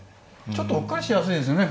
ちょっとうっかりしやすいですよね